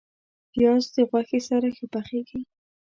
پیاز د غوښې سره ښه پخیږي